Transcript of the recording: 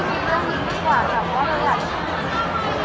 สัญญาณสิ้นถ้าเกิดว่า